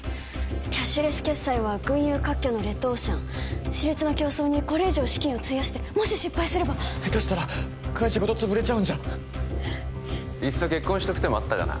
キャッシュレス決済は群雄割拠のレッドオーシャン熾烈な競争にこれ以上資金を費やしてもし失敗すれば下手したら会社ごと潰れちゃうんじゃいっそ結婚しとく手もあったかな